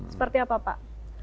seperti apa pak